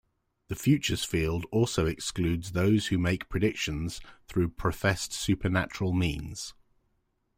The futures field also excludes those who make future predictions through professed supernatural means.